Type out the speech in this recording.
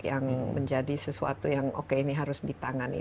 yang menjadi sesuatu yang oke ini harus ditangani